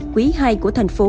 quý ii của tp hcm